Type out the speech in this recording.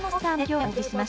お願いします。